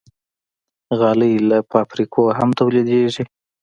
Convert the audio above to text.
غالۍ له فابریکو هم تولیدېږي.